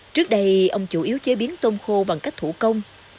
trước đây ông chủ yếu chế biến tôm khô bằng cách thủ công